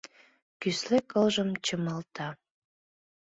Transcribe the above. Кӱсле кылжым чымалта.